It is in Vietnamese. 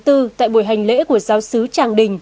tại buổi hành lễ của giáo sứ tràng đình